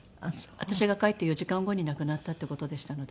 私が帰った４時間後に亡くなったって事でしたので。